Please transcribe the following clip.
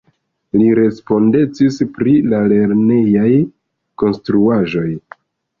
Li respondecis pri la lernejaj konstruaĵoj.